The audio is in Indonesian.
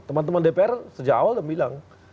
teman teman dpr sejak awal udah bilang